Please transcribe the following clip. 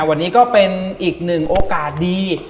วันนี้ก็เป็นอีกหนึ่งโอกาสดี